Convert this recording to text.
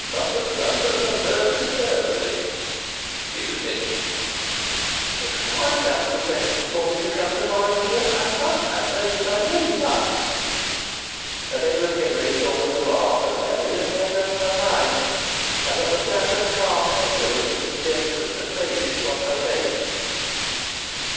London's London, and Bursley's Bursley." She had finished. "It's quite out of the question for me to come to morrow, dear. I must have notice. I really must." And Edward Henry saw with alarm that Nellie had made up her mind, and that the flattered calm pleasure in his suggestion had faded from her face.